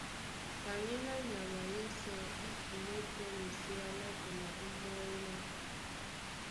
Kanyéná nyama yɛ́sɛ̄ í kumó tɛ́ miséá nátɛna ómɔ́ny ná: